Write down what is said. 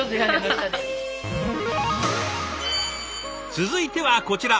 続いてはこちら！